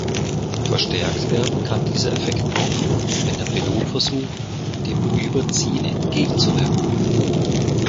Verstärkt werden kann dieser Effekt noch, wenn der Pilot versucht, dem Überziehen entgegenzuwirken.